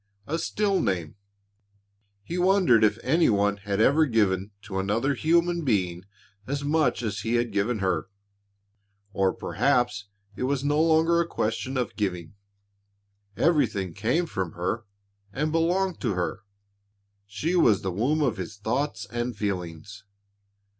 A still name. He wondered if any one had ever given to another human being as much as he had given her. Or perhaps it was no longer a question of giving. Everything came from her and belonged to her. She was the womb of his thoughts and feelings.